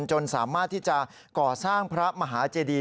จนสามารถที่จะก่อสร้างพระมหาเจดี